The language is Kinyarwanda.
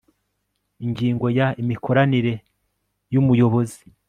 ingingo ya imikoranire y umuyobozi